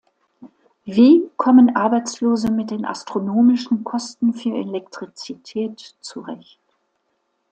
Wie kommen Arbeitslose mit den astronomischen Kosten für Elektrizität zurecht?